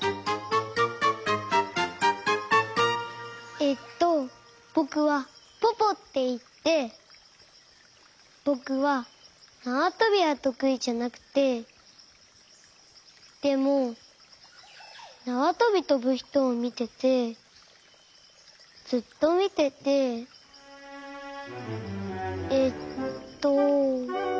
えっとぼくはポポっていってぼくはなわとびはとくいじゃなくてでもなわとびとぶひとをみててずっとみててえっと。